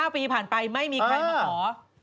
๙ปีผ่านไปไม่มีใครมาขอ